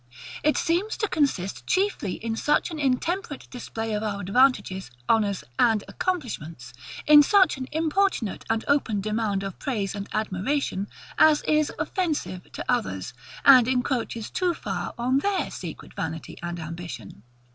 It seems to consist chiefly in such an intemperate display of our advantages, honours, and accomplishments; in such an importunate and open demand of praise and admiration, as is offensive to others, and encroaches too far on their secret vanity and ambition.